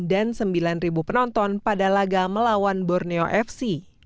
dan sembilan ribu penonton pada laga melawan borneo fc